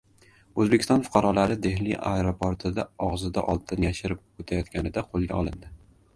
O‘zbekiston fuqarolari Dehli aeroportida og‘zida oltin yashirib o‘tayotganida qo‘lga olindi